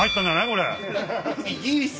これ。